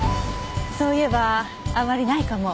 そういえばあまりないかも。